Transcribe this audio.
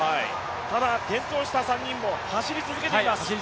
ただ転倒した３人も走り続けています。